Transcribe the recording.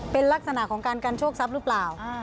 เป็นลักษณะของการกันโชคทรัพย์หรือเปล่า